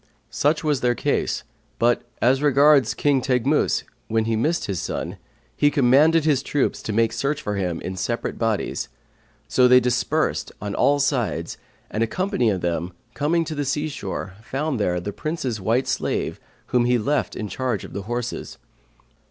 Such was their case; but as regards King Teghmus, when he missed his son, he commanded his troops to make search for him in separate bodies; so they dispersed on all sides and a company of them, coming to the sea shore, found there the Prince's white slave whom he had left in charge of the horses.